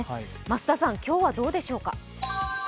増田さん、今日はどうでしょうか。